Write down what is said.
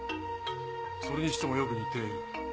それにしてもよく似ている。